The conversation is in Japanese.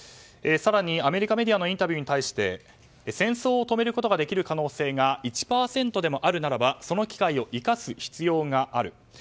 更にアメリカメディアのインタビューに対して戦争を止めることができる可能性が１％でもあるならばその機会を生かす必要性がある。